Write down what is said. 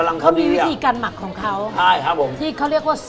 แล้วก็นึ่มกำลังเค้าดีอีก